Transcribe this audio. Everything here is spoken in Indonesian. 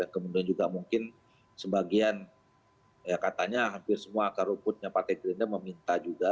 kemudian juga mungkin sebagian ya katanya hampir semua akar ruputnya pak tegri anda meminta juga